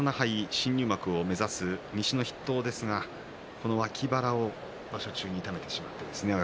新入幕を目指す西の筆頭ですが脇腹を場所中に痛めてしまいましたね。